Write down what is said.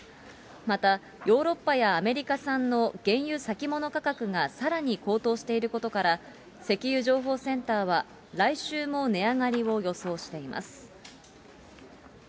また、ヨーロッパやアメリカ産の原油先物価格がさらに高騰していることから、石油情報センターは、来週も値上がりを予想しています。